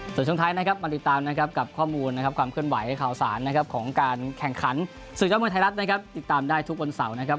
ส่วนช่วงท้ายนะครับมาติดตามนะครับกับข้อมูลนะครับความเคลื่อนไหวข่าวสารนะครับของการแข่งขันศึกยอดมวยไทยรัฐนะครับติดตามได้ทุกวันเสาร์นะครับ